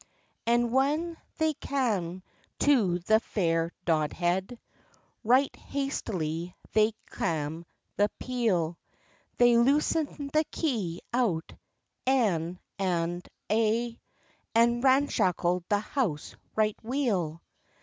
And whan they cam to the fair Dodhead, Right hastily they clam the peel; They loosed the kye out, ane and a', And ranshackled the house right weel.